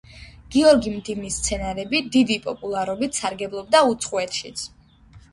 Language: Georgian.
გიორგი მდივნის სცენარები დიდი პოპულარობით სარგებლობდა უცხოეთშიც.